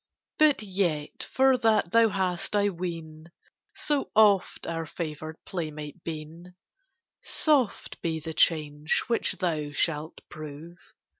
But yet, for that thou hast, I ween, So oft our favored playmate been, Soft be the change which thou shalt prove!